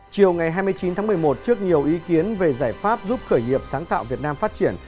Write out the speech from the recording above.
chiều ngày hai mươi chín tháng một mươi một trước nhiều ý kiến về giải pháp giúp khởi nghiệp sáng tạo việt nam phát triển